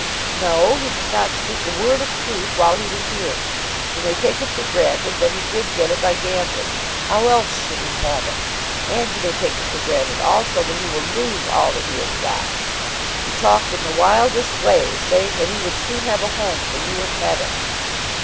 "No, he did not speak a word of truth while he was here. You may take it for granted that he did get it by gambling. How else should he have it? And you may take it for granted also that he will lose all that he has got. He talked in the wildest way, saying that he would soon have a home for you and Hetta."